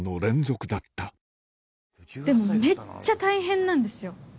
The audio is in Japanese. でもめっちゃ大変なんですよ。